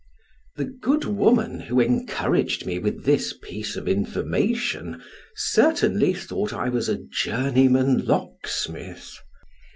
The good woman who encouraged me with this piece of information certainly thought I was a journeyman locksmith.